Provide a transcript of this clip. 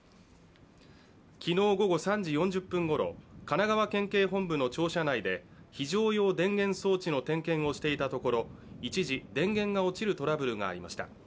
昨日午後３時４０分頃、神奈川県警本部の庁舎内で非常用電源装置の点検をしていたところ、一時、電源が落ちるトラブルがありました。